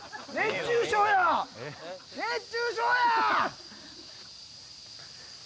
熱中症や！